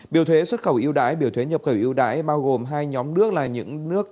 biểu thuế xuất khẩu yêu đãi biểu thuế nhập khẩu yêu đãi bao gồm hai nhóm nước là những nước